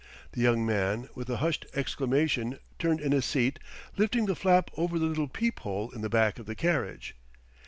The young man, with a hushed exclamation, turned in his seat, lifting the flap over the little peephole in the back of the carriage.